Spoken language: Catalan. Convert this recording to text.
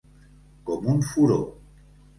Com un furó.